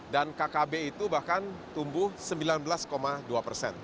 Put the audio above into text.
dan kkb itu bahkan tumbuh sembilan belas dua persen